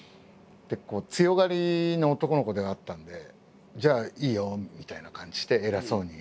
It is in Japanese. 強がりの男の子ではあったんで「じゃあいいよ」みたいな感じで偉そうに。